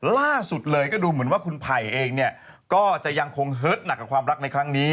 ล่าสุดเลยก็ดูเหมือนว่าคุณไผ่เองเนี่ยก็จะยังคงเฮิตหนักกับความรักในครั้งนี้